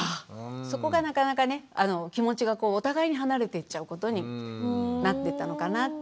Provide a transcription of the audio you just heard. そこがなかなかね気持ちがお互いに離れていっちゃうことになってたのかなって思うんですが。